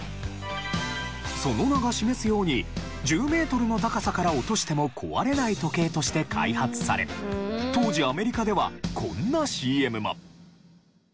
その名が示すように１０メートルの高さから落としても壊れない時計として開発され当時アメリカではこんなＣＭも。